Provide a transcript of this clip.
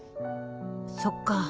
そっか。